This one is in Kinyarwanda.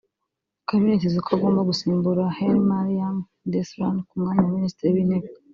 bikaba binitezwe ko agomba gusimbura Hailemariam Desalegn ku mwanya wa Minisitiri w’Intebe